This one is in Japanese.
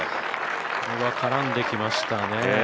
これは絡んできましたね。